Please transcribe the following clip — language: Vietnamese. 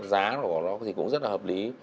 giá của nó thì cũng rất là hợp lý